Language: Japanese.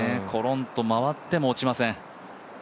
コロンと回っても落ちません。